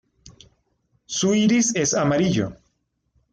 Su iris es amarillo.